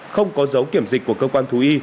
không có dấu kiểm dịch của cơ quan thú y